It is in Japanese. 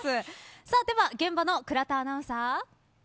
では、現場の倉田アナウンサー。